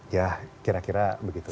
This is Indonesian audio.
ya kira kira begitu